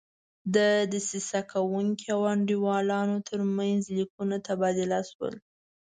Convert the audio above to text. د دسیسه کوونکو او انډیوالانو ترمنځ لیکونه تبادله شول.